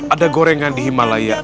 ada gorengan di himalaya